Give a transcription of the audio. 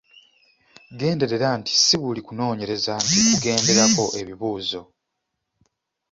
Genderera nti ssi buli kunoonyereza nti kugenderako ebibuuzo.